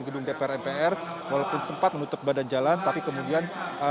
gedung dpr mpr walaupun sempat menutup badan jalan tapi kemudian